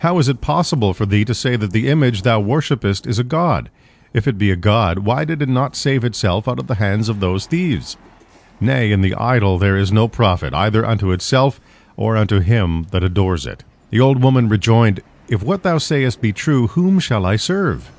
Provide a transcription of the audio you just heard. How is it possible for thee to say that the image thou worshippest is a god? If it be a god, why did it not save itself out of the hands of those thieves? Nay, in the idol there is no profit, either unto itself or unto him that adores it." The old woman rejoined, "If what thou sayest be true, whom shall I serve?"